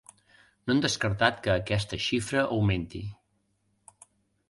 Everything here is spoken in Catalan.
No han descartat que aquesta xifra augmenti.